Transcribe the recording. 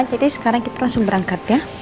jadi sekarang kita langsung berangkat ya